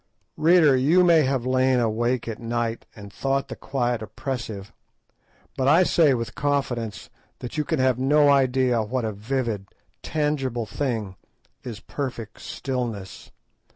Reader, you may have lain awake at night and thought the quiet oppressive, but I say with confidence that you can have no idea what a vivid, tangible thing is perfect stillness.